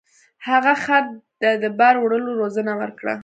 هغه خر ته د بار وړلو روزنه ورکړه.